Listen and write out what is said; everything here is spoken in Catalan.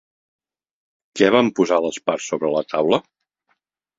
Què van posar les parts sobre la taula?